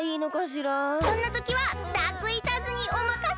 そんなときはダークイーターズにおまかせ！